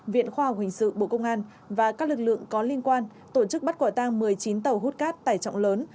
viện khoa học hình sự bộ công an và các lực lượng có liên quan tổ chức bắt quả tang một mươi chín tàu hút cát tải trọng lớn